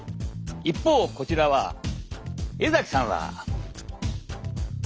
一方こちらは江さんは。